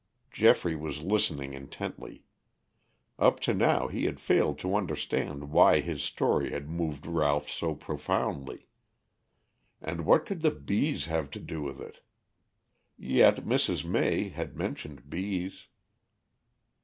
Geoffrey was listening intently. Up to now he had failed to understand why his story had moved Ralph so profoundly. And what could the bees have to do with it? Yet Mrs. May had mentioned bees.